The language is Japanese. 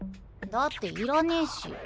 だっていらねえし。